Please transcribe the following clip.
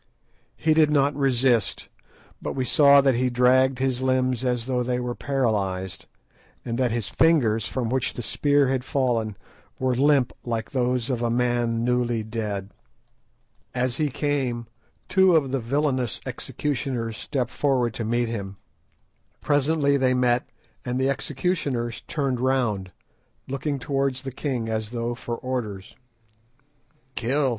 He did not resist, but we saw that he dragged his limbs as though they were paralysed, and that his fingers, from which the spear had fallen, were limp like those of a man newly dead. As he came, two of the villainous executioners stepped forward to meet him. Presently they met, and the executioners turned round, looking towards the king as though for orders. "_Kill!